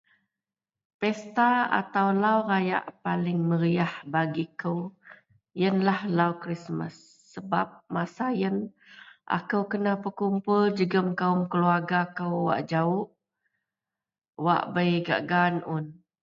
Pesta atau lau rayak paling meriyah bagi kou iyenlah law Krismas sebab masa iyen akou kena begupul jegem kaum keluarga kou wak jawok wak bei gak gaan un